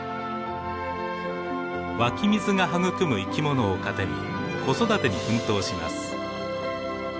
湧き水が育む生き物を糧に子育てに奮闘します。